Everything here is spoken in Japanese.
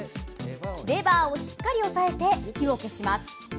レバーをしっかり押さえて火を消します。